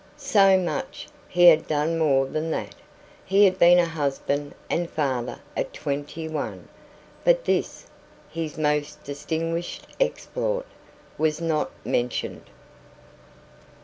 So much! He had done more than that he had been a husband and father at twenty one. But this, his most distinguished exploit, was not mentioned.